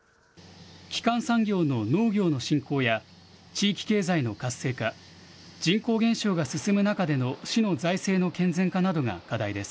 基幹産業の農業の振興や地域経済の活性化、人口減少が進む中での市の財政の健全化などが課題です。